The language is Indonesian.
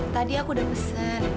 tadi aku udah pesen